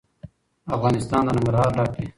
افغانستان له ننګرهار ډک دی.